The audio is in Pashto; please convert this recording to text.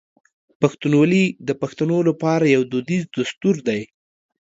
پښتونولي د پښتنو لپاره یو دودیز دستور دی.